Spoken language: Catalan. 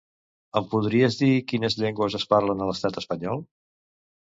Em podries dir quines llengües es parlen a l'estat espanyol?